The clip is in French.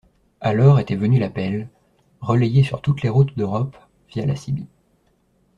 Alors était venu l’appel, relayé sur toutes les routes d’Europe via la cibi